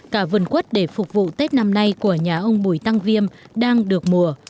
cả vườn quất để phục vụ tết năm nay của nhà ông bùi tăng viêm đang được mùa